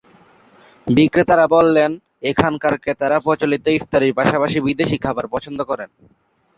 বিক্রেতারা বললেন, এখানকার ক্রেতারা প্রচলিত ইফতারির পাশাপাশি বিদেশি খাবার পছন্দ করেন।